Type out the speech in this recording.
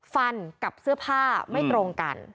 ฟันกับเสื้อผ้าไม่ตรงกัน